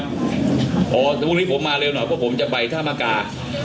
พอพรุ่งนี้ผมมาเร็วหน่อยเพราะผมจะไปท่ามกา